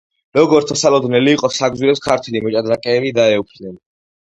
როგორც მოსალოდნელი იყო საგზურებს ქართველი მოჭდრაკეები დაეუფლნენ.